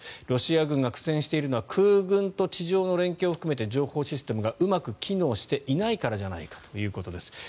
ロシア軍が苦戦しているのは空軍と地上の連携を含めて情報システムがうまく機能していないからじゃないかということです。